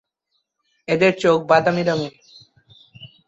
এদের চোখ বাদামি রঙের।